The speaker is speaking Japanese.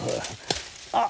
あ！